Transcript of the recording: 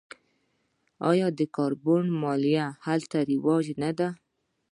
آیا د کاربن مالیه هلته رواج نه ده؟